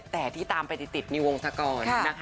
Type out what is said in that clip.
แต่ที่ตามไปติดในวงสกร